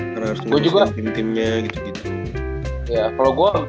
karena harus nge bosan tim timnya gitu gitu